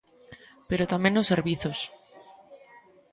Pero tamén nos servizos.